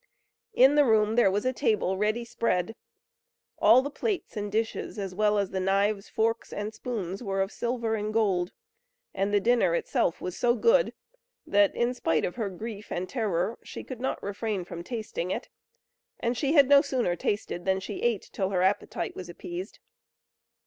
In the room there was a table ready spread; all the plates and dishes, as well as the knives, forks, and spoons, were of silver and gold; and the dinner itself was so good, that in spite of her grief and terror, she could not refrain from tasting it; and she had no sooner tasted, than she ate, till her appetite was appeased.